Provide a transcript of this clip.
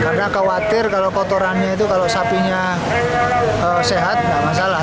karena khawatir kalau kotorannya itu kalau sapinya sehat tidak masalah